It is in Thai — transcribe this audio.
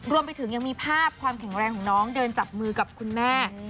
รวมไปถึงยังมีภาพความแข็งแรงของน้องเดินจับมือกับคุณแม่